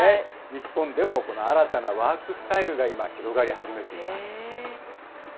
日本でもこの新たなワークスタイルが今、広がり始めています。